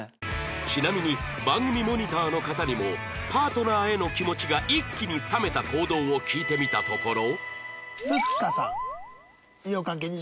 ちなみに番組モニターの方にもパートナーへの気持ちが一気に冷めた行動を聞いてみたところ